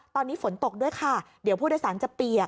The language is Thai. ตอนนี้ฝนตกด้วยค่ะเดี๋ยวผู้โดยสารจะเปียก